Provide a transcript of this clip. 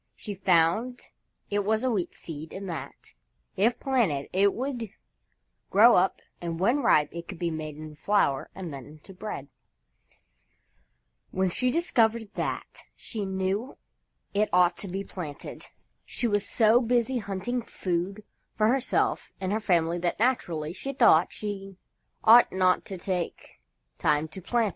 She found it was a Wheat Seed and that, if planted, it would grow up and when ripe it could be made into flour and then into bread. When she discovered that, she knew it ought to be planted. She was so busy hunting food for herself and her family that, naturally, she thought she ought not to take time to plant it.